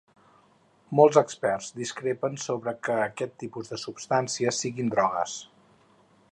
Molts experts discrepen sobre que aquests tipus de substàncies siguin drogues.